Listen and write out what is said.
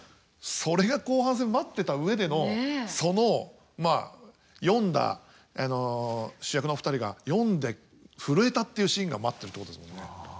それが後半戦待ってた上でのそのまあ読んだ主役の２人が読んで震えたっていうシーンが待ってるってことですもんね。